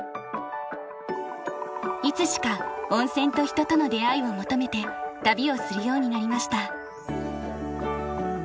いつしか温泉と人との出会いを求めて旅をするようになりました。